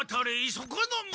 そこの者！